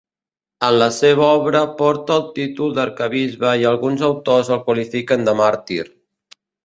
En la seva obra porta el títol d'arquebisbe i alguns autors el qualifiquen de màrtir.